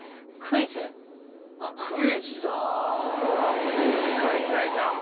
ああクイズ大会だ。